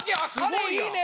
彼いいね。